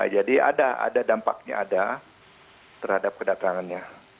jadi ada dampaknya ada terhadap kedatangannya